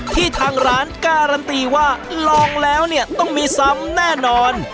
ทางร้านการันตีว่าลองแล้วเนี่ยต้องมีซ้ำแน่นอน